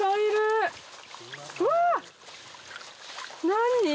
何？